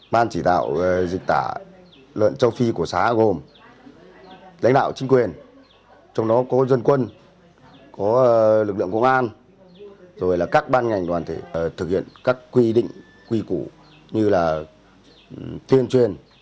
ban chỉ đạo dịch tả lợn châu phi của xã gồm lãnh đạo chính quyền trong đó có dân quân có lực lượng công an rồi là các ban ngành đoàn thể thực hiện các quy định quy cụ như là tuyên truyền